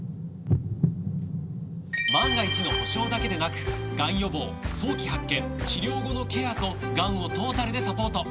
万が一の保障だけでなくがん予防早期発見治療後のケアとがんをトータルでサポート！